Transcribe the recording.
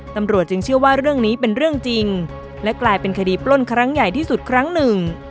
ตำรวจจึงเชื่อว่าเรื่องนี้เป็นเรื่องจริงและกลายเป็นคดีปล้นครั้งใหญ่ที่สุดครั้งหนึ่ง